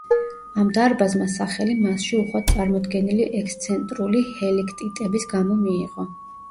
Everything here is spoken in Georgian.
ამ დარბაზმა სახელი მასში უხვად წარმოდგენილი ექსცენტრული ჰელიქტიტების გამო მიიღო.